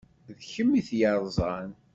D kemm i t-yeṛẓan.